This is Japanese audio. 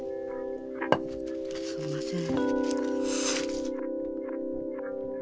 すみません。